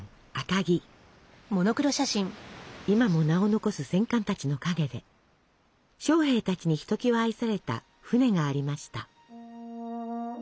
今も名を残す戦艦たちの陰で将兵たちにひときわ愛された船がありました。